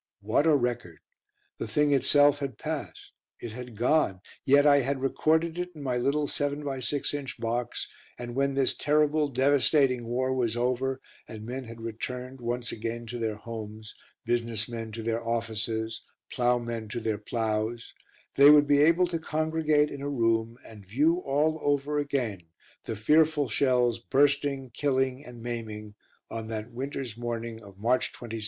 What a record. The thing itself had passed. It had gone; yet I had recorded it in my little 7 by 6 inch box, and when this terrible devastating war was over, and men had returned once again to their homes, business men to their offices, ploughmen to their ploughs, they would be able to congregate in a room and view all over again the fearful shells bursting, killing and maiming on that winter's morning of March 27th, 1916.